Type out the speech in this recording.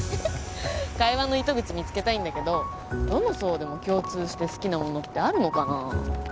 会話の糸口見つけたいんだけどどの層でも共通して好きなものってあるのかな？